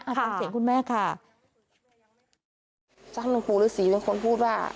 ฟังเสียงคุณแม่ค่ะฟังหลวงปู่ฤษีเป็นคนพูดว่า